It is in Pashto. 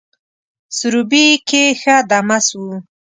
سروبي کښي څه دمه سوو